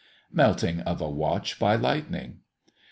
MELTING OF A WATCH BY LIGHTNING.